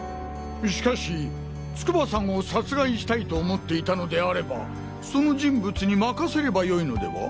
しかし筑波さんを殺害したいと思っていたのであればその人物に任せればよいのでは？